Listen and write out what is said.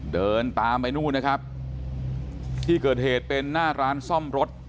เดินตามไปที่เกิดเหตุเป็นหน้าร้านซ่อมรถ